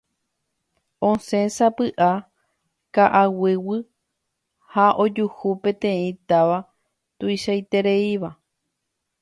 osẽsapy'a ka'aguýgui ha ojuhu peteĩ táva tuichaitereíva